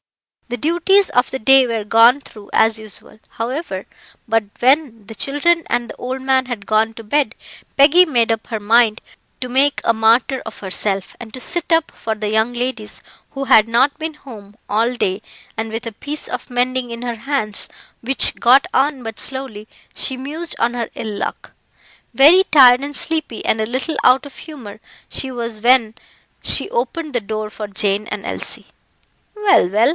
The duties of the day were gone through as usual, however; but when the children and the old man had gone to bed, Peggy made up her mind to make a martyr of herself, and to sit up for the young ladies, who had not been home all day, and with a piece of mending in her hands, which got on but slowly, she mused on her ill luck. Very tired and sleepy, and a little out of humour, she was when she opened the door for Jane and Elsie. "Well, well!